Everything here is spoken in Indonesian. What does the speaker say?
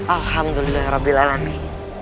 alhamdulillah rabbil alamin